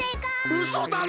うそだろ！？